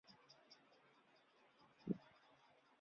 班戈毛茛为毛茛科毛茛属下的一个种。